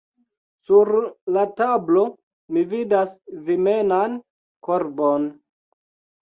Sur la tablo mi vidas vimenan korbon.